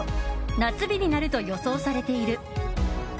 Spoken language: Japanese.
夏日になると予想されている。